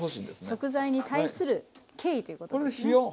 食材に対する敬意ということですね。